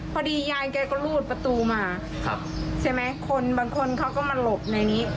พอดียายแกก็รูดประตูมาครับใช่ไหมคนบางคนเขาก็มาหลบในนี้